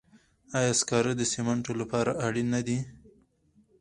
آیا سکاره د سمنټو لپاره اړین دي؟